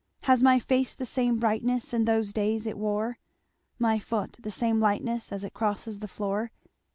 Has my face the same brightness In those days it wore? My foot the same lightness As it crosses the floor?